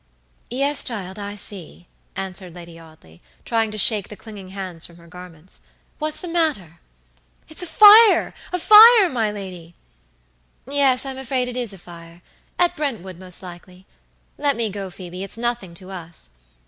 "Yes, child, I see," answered Lady Audley, trying to shake the clinging hands from her garments. "What's the matter?" "It's a firea fire, my lady!" "Yes, I am afraid it is a fire. At Brentwood, most likely. Let me go, Phoebe; it's nothing to us."